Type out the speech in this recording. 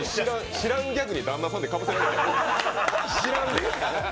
知らんギャグに旦那さんにかまされて。